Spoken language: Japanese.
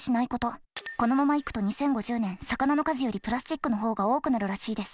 このままいくと２０５０年魚の数よりプラスチックの方が多くなるらしいです。